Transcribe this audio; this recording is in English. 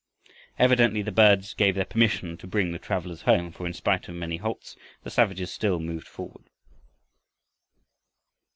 Evidently the birds gave their permission to bring the travelers home, for in spite of many halts, the savages still moved forward.